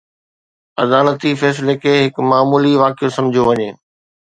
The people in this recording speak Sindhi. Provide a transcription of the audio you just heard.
عدالتي فيصلي کي هڪ معمولي واقعو سمجهيو وڃي.